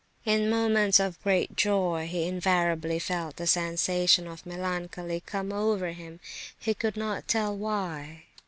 In moments of great joy, he invariably felt a sensation of melancholy come over him—he could not tell why.